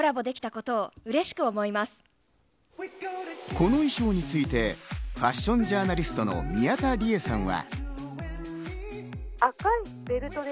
この衣装についてファッションジャーナリストの宮田理江さんは。